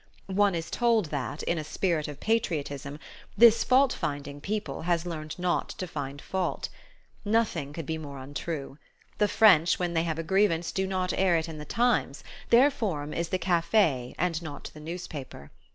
One is told that, in a spirit of patriotism, this fault finding people has learned not to find fault. Nothing could be more untrue. The French, when they have a grievance, do not air it in the Times: their forum is the cafe and not the newspaper.